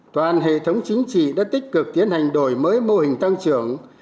toàn hệ thống chính trị đã tích cực tiến hành đổi mới mô hình tăng trưởng